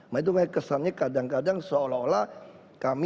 mereka kesannya kadang kadang seolah olah kami